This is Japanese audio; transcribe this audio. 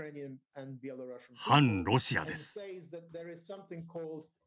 「汎ロシア」です。